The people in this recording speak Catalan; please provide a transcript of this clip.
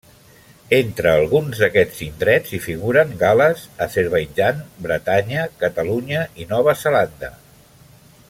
Entre alguns d'aquests indrets hi figuren Gal·les, Azerbaidjan, Bretanya, Catalunya i Nova Zelanda.